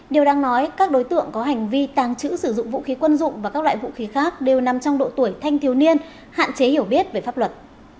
điều đang nói các đối tượng có hành vi tàng trữ sử dụng vũ khí quân dụng và các loại vũ khí khác đều nằm trong độ tuổi thanh thiếu niên hạn chế hiểu biết về pháp luật